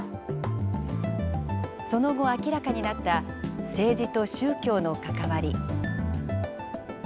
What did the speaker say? その後、明らかになった政治と宗教の関わり。